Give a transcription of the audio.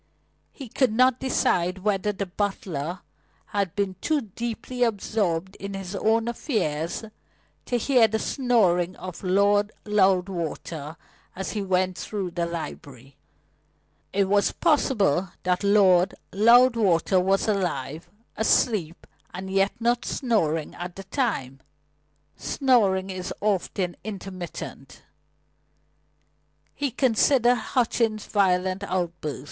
He could not decide whether the butler had been too deeply absorbed in his own affairs to hear the snoring of Lord Loudwater as he went through the library. It was possible that Lord Loudwater was alive, asleep, and yet not snoring at the time. Snoring is often intermittent. He considered Hutchings' violent outburst.